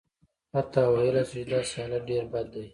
حتی ویلای شو چې داسې حالت ډېر بد دی.